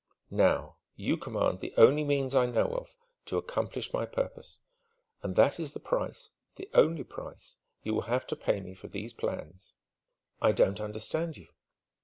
Now you command the only means I know of, to accomplish my purpose. And that is the price, the only price, you will have to pay me for these plans." "I don't understand you."